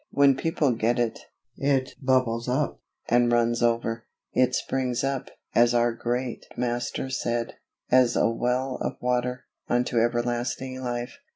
When people get it, it bubbles up, and runs over; "it springs up," as out great Master said, "as a well of water, unto everlasting life."